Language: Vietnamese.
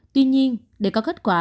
tuy nhiên để có kết quả